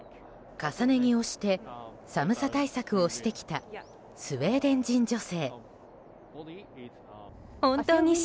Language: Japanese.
重ね着をして寒さ対策をしてきたスウェーデン人女性。